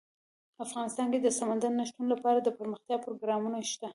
افغانستان کې د سمندر نه شتون لپاره دپرمختیا پروګرامونه شته.